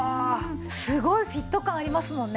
すごいフィット感ありますもんね。